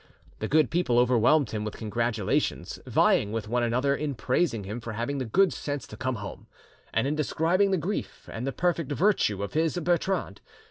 The good people overwhelmed him with congratulations, vying with one another in praising him for having the good sense to come home, and in describing the grief and the perfect virtue of his Bertrande.